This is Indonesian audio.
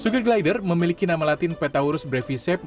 sugar glider memiliki nama latin petaurus brevicep